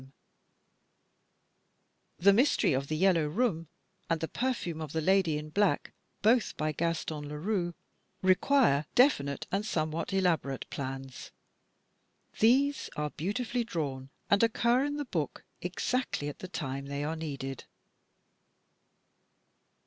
FALSE DEVICES 217 "The Mystery of the Yellow Room" and "The Perfume of the Lady in Black," both by Gaston Leroux, require defi nite and somewhat elaborate plans. These are beautifully drawn, and occur in the book exactly at the time they are needed.